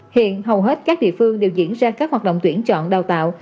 hiện hầu hết các địa phương đều diễn ra các hoạt động tuyển chọn đào tạo